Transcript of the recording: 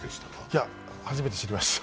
いや、初めて知りました。